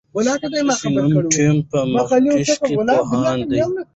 سمونوال ټیم یې مخکښ پوهان دي.